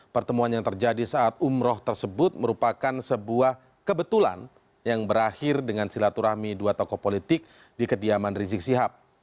pertemuan yang terjadi saat umroh tersebut merupakan sebuah kebetulan yang berakhir dengan silaturahmi dua tokoh politik di kediaman rizik sihab